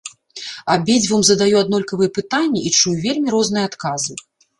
Абедзвюм задаю аднолькавыя пытанні і чую вельмі розныя адказы.